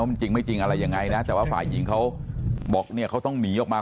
มันจริงไม่จริงอะไรยังไงนะแต่ว่าฝ่ายหญิงเขาบอกเนี่ยเขาต้องหนีออกมา